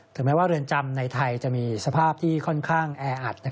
แม้ว่าเรือนจำในไทยจะมีสภาพที่ค่อนข้างแออัด